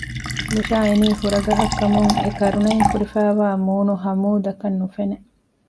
ލުޝާ އިނީ ފުރަގަހަށް ކަމުން އެ ކަރުނައިން ފުރިފައިވާ މޫނު ހަމޫދް އަކަށް ނުފެނެ